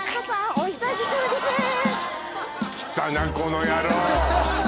お久しぶりです